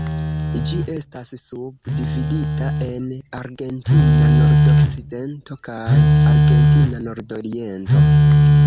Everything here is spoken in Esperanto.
Ĝi estas subdividita en Argentina Nordokcidento kaj Argentina Nordoriento.